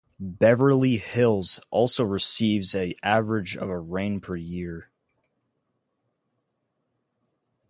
Beverly Hills also receives an average of rain per year.